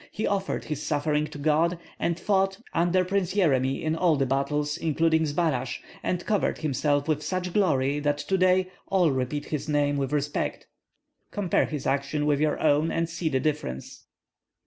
He offered his suffering to God, and fought under Prince Yeremi in all the battles, including Zbaraj, and covered himself with such glory that to day all repeat his name with respect. Compare his action with your own and see the difference."